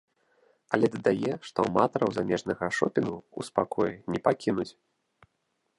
Але дадае, што аматараў замежнага шопінгу ў спакоі не пакінуць.